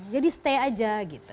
jadi stay aja gitu